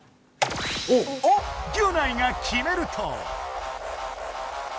ギュナイが決めると。